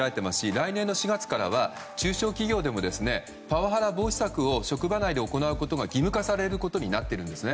来年から中小企業でもパワハラ防止策を職場内で行うことが義務化されることになっているんですね。